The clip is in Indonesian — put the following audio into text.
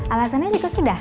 alasannya diko sudah